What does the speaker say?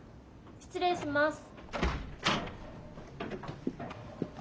・失礼します。